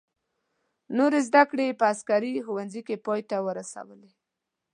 نورې زده کړې یې په عسکري ښوونځي کې پای ته ورسولې.